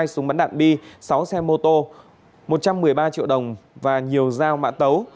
hai súng bắn đạn bi sáu xe mô tô một trăm một mươi ba triệu đồng và nhiều dao mã tấu